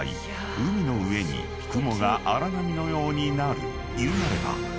海の上に雲が荒波のようになるいうなれば］